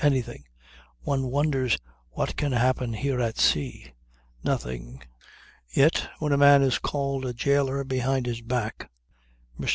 Anything. One wonders what can happen here at sea! Nothing. Yet when a man is called a jailer behind his back." Mr.